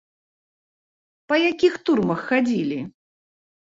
Па якіх турмах хадзілі?